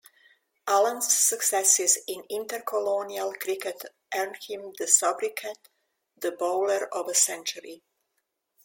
Allan's successes in intercolonial cricket earned him the sobriquet "the bowler of a century".